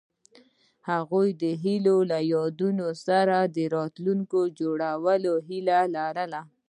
هغوی د هیلې له یادونو سره راتلونکی جوړولو هیله لرله.